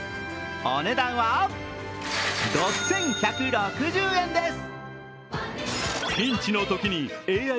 お値段は６１６０円です。